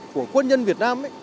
của quân nhân việt nam